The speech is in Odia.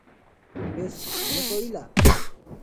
ବେଶ କାମ ଚଳିଲା ।